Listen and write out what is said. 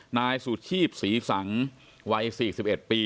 นายสุชีพศรีสังวัย๔๑ปี